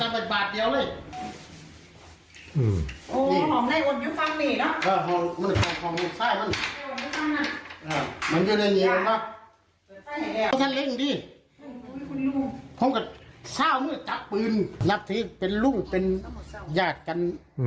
ผมก็เช้ามืดจับปืนนัดทีเป็นลูกเป็นญาติกัน